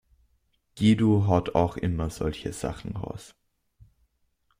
Guido haut auch immer solche Sachen raus.